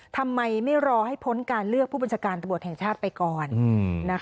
ทำไมไม่รอให้พ้นการเลือกผู้บัญชาการตำรวจแห่งชาติไปก่อน